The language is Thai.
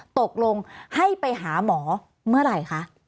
ตกลงให้ไปหาหมอเมื่อไหร่คะ